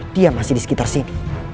dia masih di sekitar sini